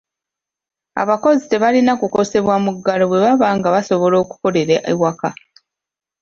Abakozi tebalina kukosebwa muggalo bwe baba nga basobola okukolera ewaka.